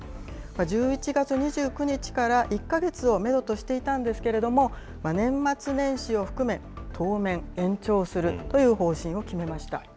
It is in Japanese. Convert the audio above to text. １１月２９日から１か月をメドとしていたんですけれども、年末年始を含め、当面、延長するという方針を決めました。